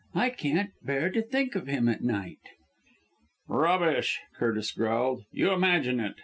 I can't bear to think of him at night!" "Rubbish," Curtis growled. "You imagine it.